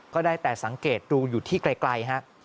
ก็ได้แต่สังเกตดูอยู่ที่ไกลฮะ